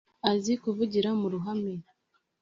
azi kuvugira mu ruhame